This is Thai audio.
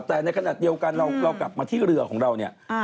แต่ในขณะเดียวกันเรากลับมาที่เรือของเราเนี่ย